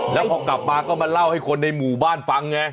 แล้วพอกลับมาก็มาเล่าให้คนในหมู่บ้านฟังไง